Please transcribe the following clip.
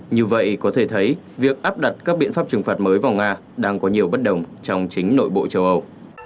như vậy có thể thấy việc áp đặt các biện pháp trừng phạt mới vào nga đang có nhiều bất đồng trong chính nội bộ châu âu